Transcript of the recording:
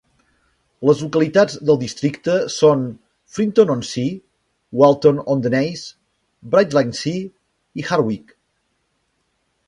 Les localitats del districte són Frinton-on-Sea, Walton-on-the-Naze, Brightlingsea i Harwich.